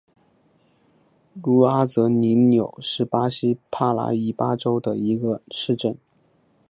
茹阿泽里纽是巴西帕拉伊巴州的一个市镇。